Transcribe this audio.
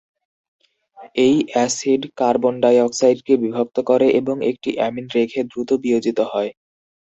এই acid carbon ডাই অক্সাইডকে বিভক্ত করে এবং একটি অ্যামিন রেখে দ্রুত বিয়োজিত হয়।